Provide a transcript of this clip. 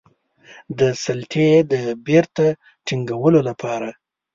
د سلطې د بیرته ټینګولو لپاره.